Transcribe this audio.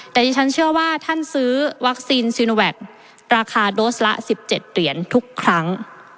แต่ดิฉันเชื่อว่าท่านซื้อวัคซีนซีโนแวคราคาโดสละ๑๗เหรียญทุกครั้ง